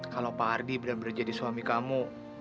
kalau pak ardi benar benar jadi suami kamu